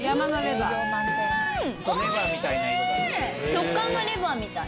食感がレバーみたい。